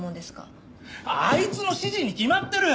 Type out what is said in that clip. あいつの指示に決まってる！